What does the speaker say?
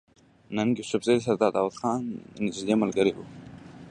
ننګ يوسفزۍ د سردار داود خان نزدې ملګری وو